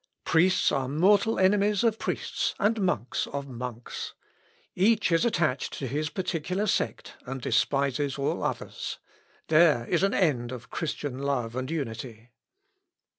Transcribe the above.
Priests are mortal enemies of priests, and monks of monks. Each is attached to his particular sect, and despises all others. There is an end of Christian love and unity."